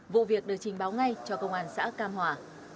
vụ việc được trình báo ngay cho công an xã cam hòa